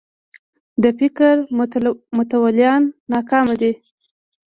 د فکر متولیان ناکام دي